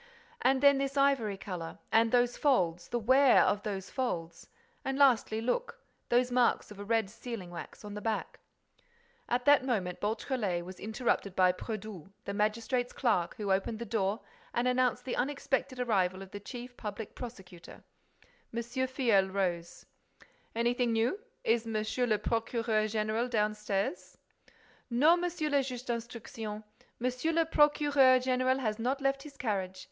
And then this ivory color.—And those folds—the wear of those folds—and, lastly, look, those marks of red sealing wax, on the back—" At that moment Beautrelet, was interrupted by Brédoux, the magistrate's clerk, who opened the door and announced the unexpected arrival of the chief public prosecutor. M. Filleul rose: "Anything new? Is Monsieur le Procureur Général downstairs?" "No, Monsieur le Juge d'Instruction. Monsieur le Procureur Général has not left his carriage.